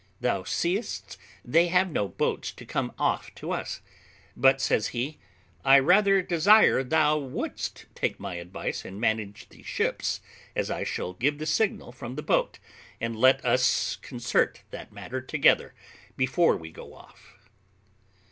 Thou seest they have no boats to come off to us; but," says he, "I rather desire thou wouldst take my advice, and manage the ships as I shall give the signal from the boat, and let us concert that matter together before we go off."